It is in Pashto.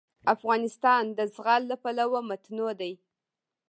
افغانستان د زغال له پلوه متنوع دی.